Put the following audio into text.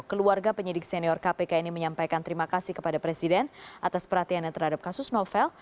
keluarga penyidik senior kpk ini menyampaikan terima kasih kepada presiden atas perhatiannya terhadap kasus novel